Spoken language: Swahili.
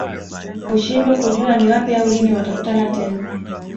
Hushindwa kujua ni wapi au lini watakutana tena